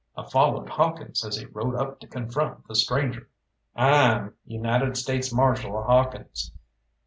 I followed Hawkins as he rode up to confront the stranger. "I'm United States Marshal Hawkins.